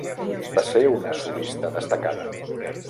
Va ser una solista destacada.